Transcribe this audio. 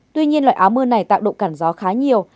tuy nhiên loại áo mưa này tạo độ cản gió khá nhiều